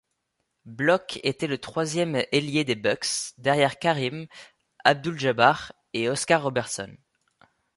Block était le troisième ailier des Bucks, derrière Kareem Abdul-Jabbar et Oscar Robertson.